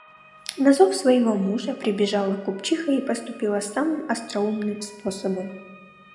На зов своего мужа, прибежала купчиха и поступила самым остроумным способом.